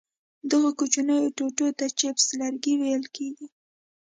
دغو کوچنیو ټوټو ته چپس لرګي ویل کېږي.